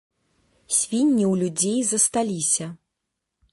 Свінні ў людзей засталіся.